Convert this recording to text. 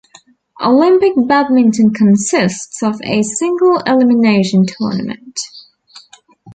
Olympic badminton consists of a single-elimination tournament.